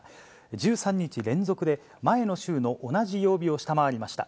１３日連続で前の週の同じ曜日を下回りました。